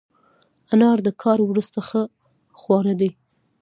انار د کار وروسته ښه خواړه دي.